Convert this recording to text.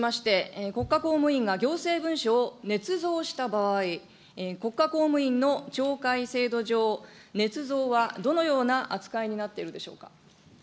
一般論としまして、国家公務員が行政文書をねつ造した場合、国家公務員の懲戒制度上、ねつ造はどのような扱いになってるんでしょ